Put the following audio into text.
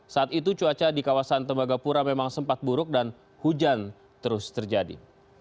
saat itu cuaca di kawasan tembagapura memang sempat buruk dan hujan terus terjadi